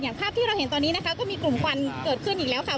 ภาพที่เราเห็นตอนนี้นะคะก็มีกลุ่มควันเกิดขึ้นอีกแล้วค่ะ